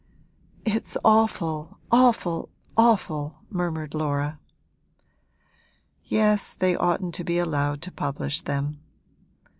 'It's awful, awful, awful!' murmured Laura. 'Yes, they oughtn't to be allowed to publish them.